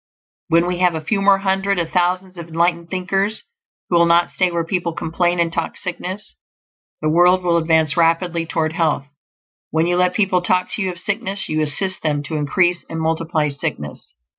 When we have a few more hundreds of thousands of enlightened thinkers who will not stay where people complain and talk sickness, the world will advance rapidly toward health. When you let people talk to you of sickness, you assist them to increase and multiply sickness.